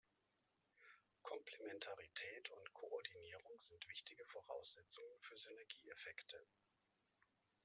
Komplementarität und Koordinierung sind wichtige Voraussetzungen für Synergieeffekte.